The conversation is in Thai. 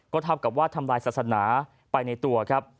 เท่ากับว่าทำลายศาสนาไปในตัวครับ